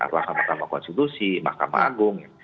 mahkamah konstitusi mahkamah agung